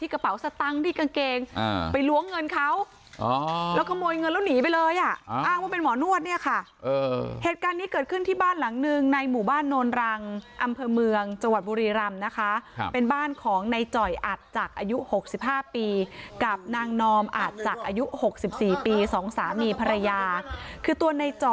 กระเป๋าสตังค์ที่กางเกงไปล้วงเงินเขาแล้วขโมยเงินแล้วหนีไปเลยอ่ะอ้างว่าเป็นหมอนวดเนี่ยค่ะเหตุการณ์นี้เกิดขึ้นที่บ้านหลังหนึ่งในหมู่บ้านโนนรังอำเภอเมืองจังหวัดบุรีรำนะคะเป็นบ้านของในจ่อยอาจจักรอายุ๖๕ปีกับนางนอมอาจจักรอายุ๖๔ปีสองสามีภรรยาคือตัวในจ่อ